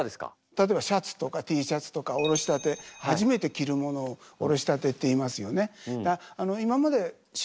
例えばシャツとかＴシャツとかおろしたて初めて着るものをおろしたてって言いますよね。